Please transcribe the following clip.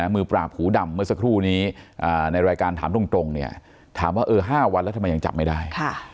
มือปราบหูดำเมื่อสักครู่นี้ในรายการถามตรงเนี่ยถามว่า๕วันแล้วทำไมยังจับไม่ได้